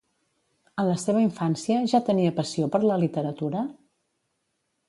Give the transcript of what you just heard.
En la seva infància ja tenia passió per la literatura?